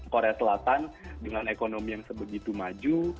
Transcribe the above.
korea selatan dengan ekonomi yang sebegitu maju